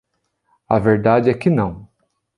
A verdade é que não.